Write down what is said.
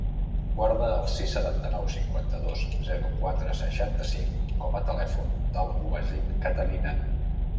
Guarda el sis, setanta-nou, cinquanta-dos, zero, quatre, seixanta-cinc com a telèfon del Wasim Catalina.